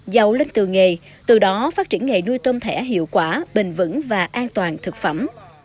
giàu lên từ nghề từ đó phát triển nghề nuôi tôm thẻ hiệu quả bền vững và an toàn thực phẩm